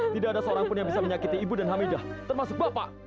tidak ada seorang pun yang bisa menyakiti ibu dan hamidah termasuk bapak